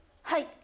はい。